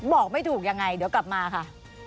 บอกไม่ถูกยังไงเดี๋ยวกลับมาค่ะ